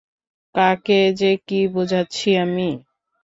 কাকে যে কী বোঝাচ্ছি আমি?